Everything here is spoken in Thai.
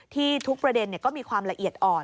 ทุกประเด็นก็มีความละเอียดอ่อน